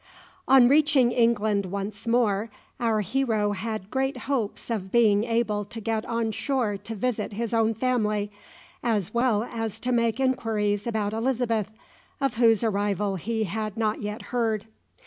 On reaching England once more our hero had great hopes of being able to get on shore to visit his own family, as well as to make inquiries about Elizabeth, of whose arrival he had not yet heard.